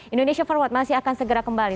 indonesia forward masih akan segera kembali